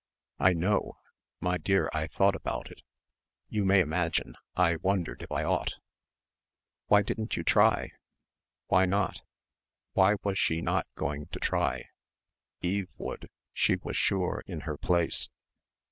"I know. My dear I thought about it. You may imagine. I wondered if I ought." "Why didn't you try?" Why not? Why was she not going to try? Eve would, she was sure in her place....